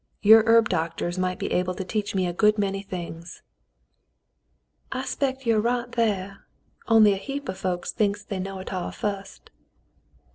Your herb doctors might be able to teach me a good many things." "I 'spect ye're right thar, on'y a heap o* folks thinks they knows it all fust."